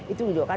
itu juga kan